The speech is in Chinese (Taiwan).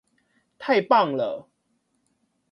太棒了！